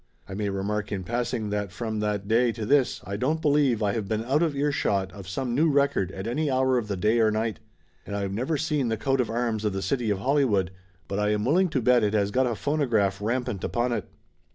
I may remark in passing that from that day to this I don't believe I have been out of earshot of some new record at any hour of the day or night, and I have never seen the Laughter Limited 79 coat of arms of the City of Hollywood, but I am willing to bet it has got a phonograph rampant upon it.